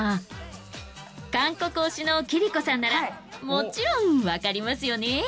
韓国推しの貴理子さんならもちろんわかりますよね？